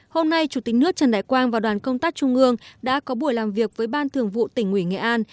hôm nay chủ tịch nước trần đại quang và đoàn công tác trung ương đã có buổi làm việc với ban thường vụ tỉnh ủy nghệ an